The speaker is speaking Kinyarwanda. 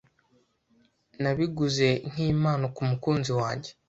Nabiguze nkimpano kumukunzi wanjye.